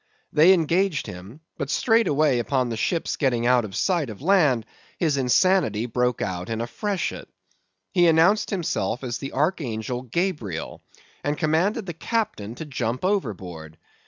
They engaged him; but straightway upon the ship's getting out of sight of land, his insanity broke out in a freshet. He announced himself as the archangel Gabriel, and commanded the captain to jump overboard.